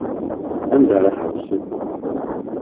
Anda ara ḥewsen.